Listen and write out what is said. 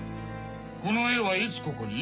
この絵はいつここに？